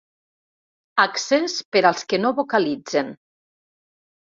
Accés per als que no vocalitzen.